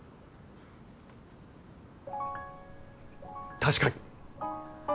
確かに。